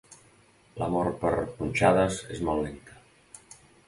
La mort per punxades és molt lenta.